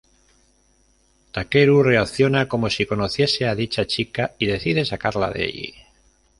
Takeru reacciona como si conociese a dicha chica y decide sacarla de allí.